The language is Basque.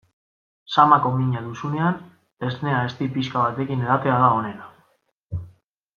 Samako mina duzunean esnea ezti pixka batekin edatea da onena.